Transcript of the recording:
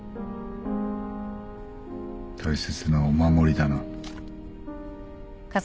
大切なお守りだな。